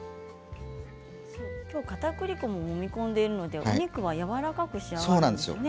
きょう、かたくり粉をもみ込んでいるのでお肉がやわらかく仕上がるんですよね。